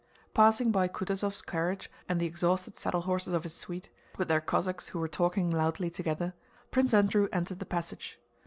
Passing by Kutúzov's carriage and the exhausted saddle horses of his suite, with their Cossacks who were talking loudly together, Prince Andrew entered the passage.